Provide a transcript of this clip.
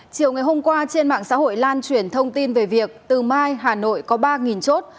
chiều ngày hôm qua trên mạng xã hội lan truyền thông tin về việc từ mai hà nội có ba chốt